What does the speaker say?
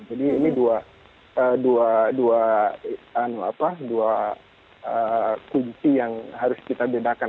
ini dua kunci yang harus kita bedakan